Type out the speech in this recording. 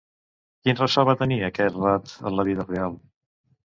Quin ressò va tenir aquest relat en la vida real?